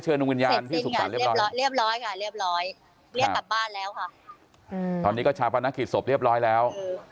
เป็นปรับบ้านแล้วค่ะตอนนี้ก็ฉาวพัฒนาขีดศพเรียบร้อยแล้ว